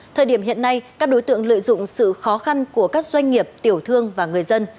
thời điểm hiện nay các đối tượng lợi dụng sự khó khăn của các doanh nghiệp tiểu thương và người dân